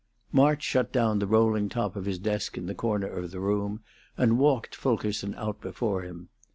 March shut down the rolling top of his desk in the corner of the room, and walked Fulkerson out before him.